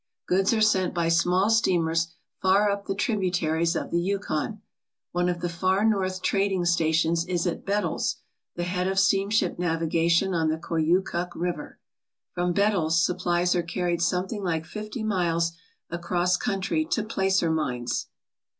Goods are sent by small steamers far up the tributaries of the Yukon. One of the Far North trading stations is at Settles, the head of steamship navigation on the Koyukuk River. From Bettles supplies are carried some thing like fifty miles across country to placer mines.